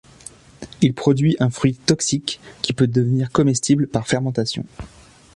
Il produit un fruit toxique qui peut devenir comestible par fermentation.